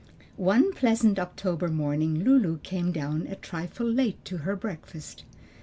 One pleasant October morning Lulu came down a trifle late to her breakfast.